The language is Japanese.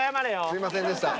すいませんでした。